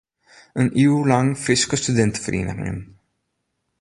In iuw lang Fryske studinteferieningen.